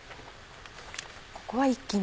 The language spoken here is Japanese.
ここは一気に？